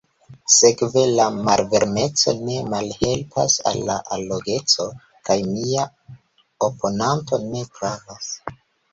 Sekve, la malvarmeco ne malhelpas al la allogeco, kaj mia oponanto ne pravas.